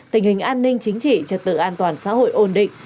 tình hình an ninh chính trị trật tự an toàn xã hội ổn định